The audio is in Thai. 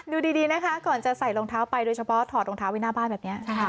ดูดีนะคะก่อนจะใส่รองเท้าไปโดยเฉพาะถอดรองเท้าไว้หน้าบ้านแบบนี้